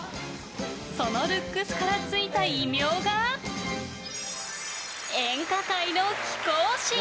そのルックスからついた異名が演歌界の貴公子。